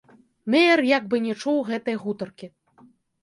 Меер як бы не чуў гэтай гутаркі.